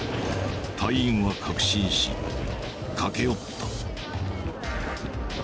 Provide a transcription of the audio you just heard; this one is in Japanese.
隊員は確信し駆け寄った。